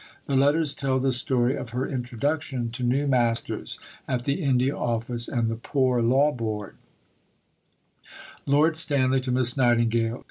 The letters tell the story of her introduction to new masters at the India Office and the Poor Law Board: (_Lord Stanley to Miss Nightingale.